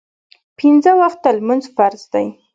پینځه وخته لمونځ فرض دی